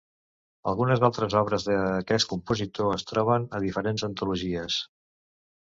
Algunes altres obres d'aquest compositor es troben en diferents antologies.